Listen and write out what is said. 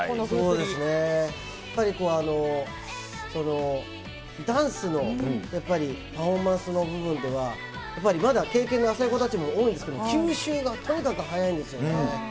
そうですね、やっぱりダンスのパフォーマンスの部分では、やっぱりまだ経験が浅い子たちも多いんですけど、吸収がとにかく早いんですよね。